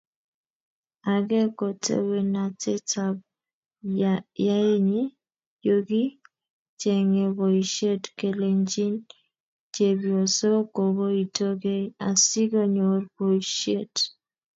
Age ko tewernatetab yaenyi yokichenge boisiet kelechini chepyoso kokoito kei asikonyor boisiet